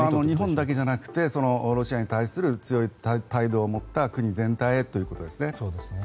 日本だけじゃなくてロシアに対する強い態度を持った国全体へということですね。